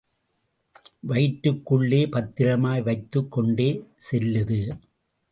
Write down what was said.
வயிற்றுக் குள்ளே பத்திரமாய் வைத்துக் கொண்டே செல்லுது.